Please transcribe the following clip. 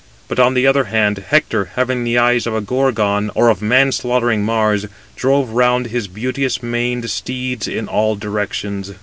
But, on the other hand, Hector, having the eyes of a Gorgon, or of man slaughtering Mars, drove round his beauteous maned steeds in all directions.